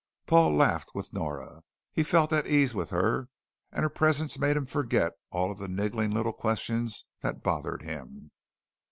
Paul laughed with Nora. He felt at ease with her and her presence made him forget all of the niggling little questions that bothered him.